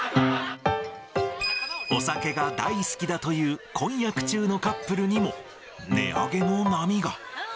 お酒が大好きだという、婚約中のカップルにも、値上げの波が。